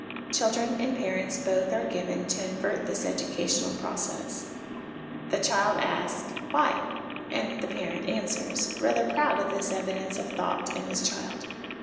Children and parents both are given to invert this educational process. The child asks 'Why?' and the parent answers, rather proud of this evidence of thought in his child.